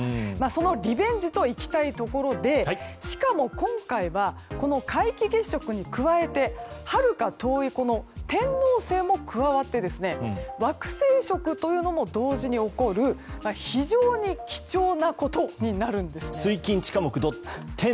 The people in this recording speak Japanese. そのリベンジといきたいところでしかも今回はこの皆既月食に加えてはるか遠い天王星も加わって惑星食というのも同時に起こる非常に貴重なことになるんです。